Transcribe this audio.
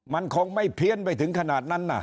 มันคงไม่เพี้ยนไปถึงขนาดนั้นน่ะ